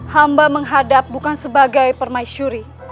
hamba menghadap bukan sebagai permaisuri